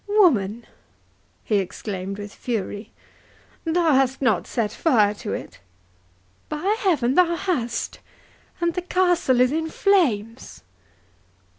"Woman!" he exclaimed with fury, "thou hast not set fire to it?—By heaven, thou hast, and the castle is in flames!"